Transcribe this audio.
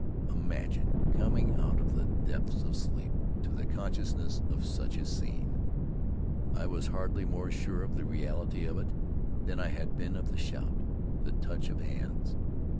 Imagine coming out of the depths of sleep to the consciousness of such a scene! I was hardly more sure of the reality of it than I had been of the shout, the touch of hands.